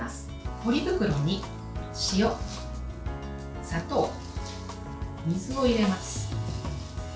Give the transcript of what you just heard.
ポリ袋に塩、砂糖、水を入れます。